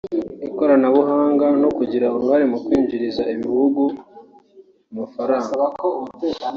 ikoranabuhanga no kugira uruhare mu kwinjriza ibihugu amafaranga